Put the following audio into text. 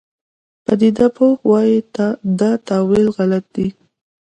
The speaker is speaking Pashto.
پدیده پوه وایي دا تاویل غلط دی.